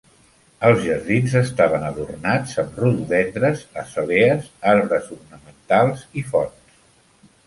Els jardins estaven adornats amb rododendres, azalees, arbres ornamentals i fonts.